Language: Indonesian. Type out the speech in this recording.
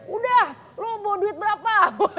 udah lo mau duit berapa